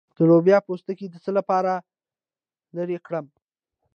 د لوبیا پوستکی د څه لپاره لرې کړم؟